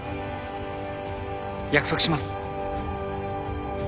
約束します